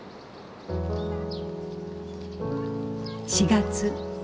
４月。